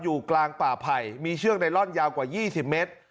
อยู่กลางป่าไผ่มีเชือกไนลอนยาวกว่า๒๐เมตร